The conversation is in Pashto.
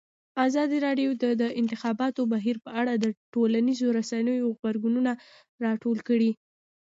ازادي راډیو د د انتخاباتو بهیر په اړه د ټولنیزو رسنیو غبرګونونه راټول کړي.